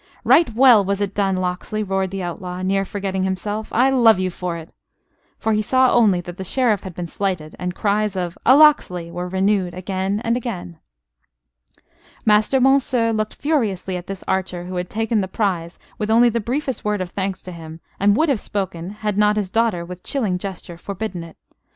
"Right well was it done, Locksley!" roared the outlaw, near forgetting himself. "I love you for it." For he saw only that the Sheriff had been slighted, and cries of: "A Locksley!" were renewed again and again. Master Monceux looked furiously at this archer who had taken the prize with only the briefest word of thanks to him: and would have spoken, had not his daughter, with chilling gesture, forbidden it.